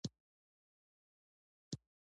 منی د وداع احساس لري